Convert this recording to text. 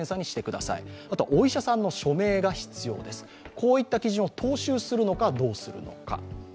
こういった基準を踏襲するのか、どうするのか。